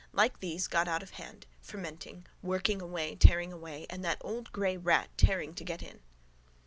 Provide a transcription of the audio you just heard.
Like these, got out of hand: fermenting. Working away, tearing away. And that old grey rat tearing to get in.